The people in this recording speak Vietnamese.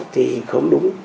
thì không đúng